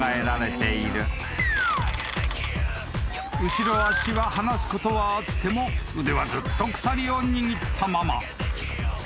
［後ろ足は離すことはあっても腕はずっと鎖を握ったまま］